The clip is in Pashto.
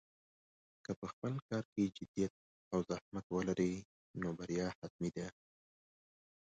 که په خپل کار کې جدیت او زحمت ولرې، نو بریا حتمي ده.